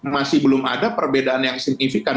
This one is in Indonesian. masih belum ada perbedaan yang signifikan